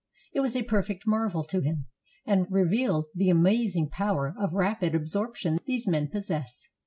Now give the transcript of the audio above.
It was a perfect marvel to him, and revealed the amazing power of rapid ab sorption these men possess.